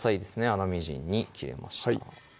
粗みじんに切れました